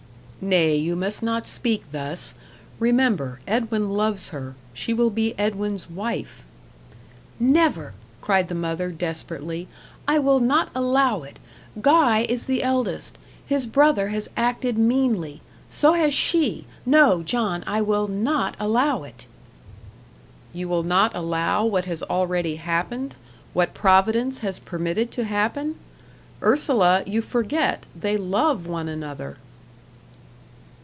"Nay, you must not speak thus. Remember Edwin loves her she will be Edwin's wife." "Never!" cried the mother, desperately; "I will not allow it. Guy is the eldest. His brother has acted meanly. So has she. No, John, I will NOT allow it." "You will not allow what has already happened what Providence has permitted to happen? Ursula, you forget they love one another."